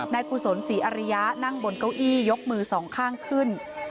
กุศลศรีอริยะนั่งบนเก้าอี้ยกมือสองข้างขึ้น